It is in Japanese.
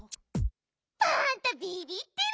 パンタビビってる！